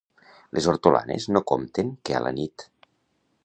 Les hortolanes no compten que a la nit.